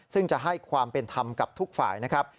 ซึ่งจะให้ความเป็นธรรมกับทุกฝ่ายนะครับ